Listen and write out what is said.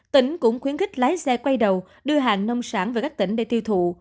tỉnh cũng khuyến khích lái xe quay đầu đưa hàng nông sản về các tỉnh để tiêu thụ